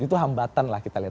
itu hambatan lah kita lihat